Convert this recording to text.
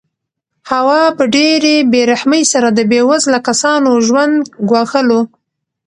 هوا په ډېرې بې رحمۍ سره د بې وزله کسانو ژوند ګواښلو.